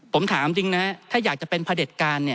ผมถามจริงนะถ้าอยากจะเป็นพระเด็จการ